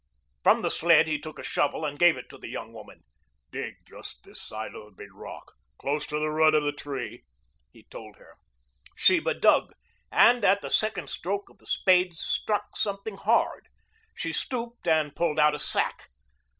From the sled he took a shovel and gave it to the young woman. "Dig just this side of the big rock close to the root of the tree," he told her. Sheba dug, and at the second stroke of the spade struck something hard. He stooped and pulled out a sack.